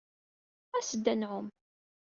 As-d ad nɛum.